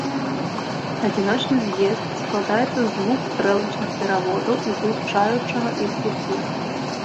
Адзіночны з'езд складаецца з двух стрэлачных пераводаў і злучаючага іх пуці.